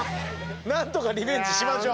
何とかリベンジしましょう。